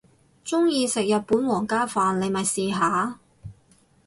鍾意食日本皇家飯你咪試下